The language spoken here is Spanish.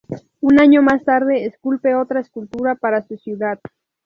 Un año más tarde esculpe otra escultura para su ciudad.